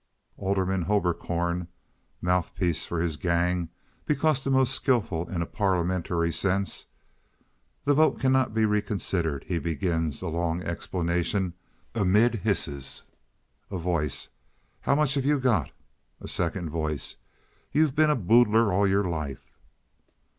Alderman Hoberkorn (mouthpiece for his gang because the most skilful in a parliamentary sense). "The vote cannot be reconsidered." He begins a long explanation amid hisses. A Voice. "How much have you got?" A Second Voice. "You've been a boodler all your life."